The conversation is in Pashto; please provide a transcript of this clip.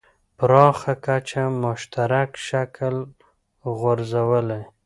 پراخه کچه مشترک شکل غورځولی.